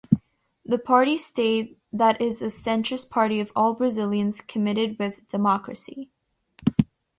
The party stayed that is a centrist party of all Brazilians commited with democracy.